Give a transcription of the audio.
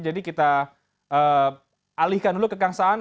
jadi kita alihkan dulu ke kang saan